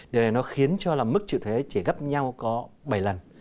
điều này nó khiến cho mức triệu thuế chỉ gấp nhau có bảy lần